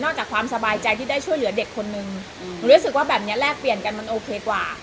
จากความสบายใจที่ได้ช่วยเหลือเด็กคนนึงหนูรู้สึกว่าแบบนี้แลกเปลี่ยนกันมันโอเคกว่า